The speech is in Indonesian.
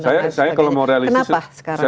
saya kalau mau realisasi kenapa sekarang